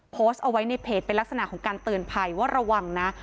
โพสต์เอาไว้ในเพจเป็นลักษณะของการเตือนภัยว่าระวังนะ